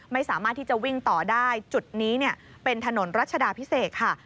ไม่สามารถที่จะวิ่งต่อได้จุดนี้เป็นถนนรัชดาพิเศษค่ะ